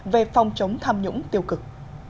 về phòng chống tham nhũng tiêu cực